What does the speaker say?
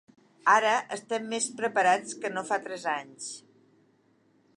Ara estem més preparats que no fa tres anys.